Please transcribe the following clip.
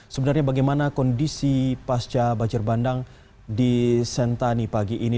sebenarnya bagaimana kondisi pasca banjir bandang di sentani pagi ini